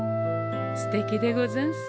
すてきでござんす。